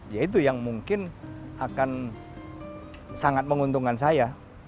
ya itu yang mungkin akan sangat menguntungkan saya